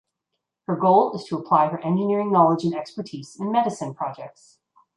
Her goal is to apply her engineering knowledge and expertise in medicine projects.